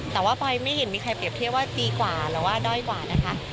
แต่ว่าปอยไม่เห็นมีใครเปรียบเทียบว่าดีกว่าหรือว่าด้อยกว่านะคะ